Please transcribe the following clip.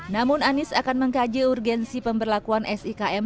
namun anies akan mengkaji urgensi pemberlakuan sikm